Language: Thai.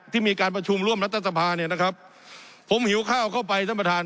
มีการประชุมร่วมรัฐสภาเนี่ยนะครับผมหิวข้าวเข้าไปท่านประธาน